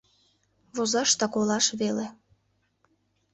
Возаш да колаш веле...